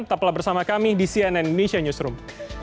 tetaplah bersama kami di cnn indonesia newsroom